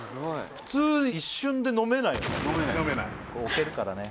普通一瞬で飲めないよね